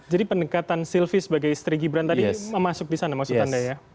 jadi pendekatan sylvie sebagai istri gibran tadi masuk disana maksud anda ya